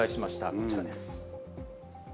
こちらです。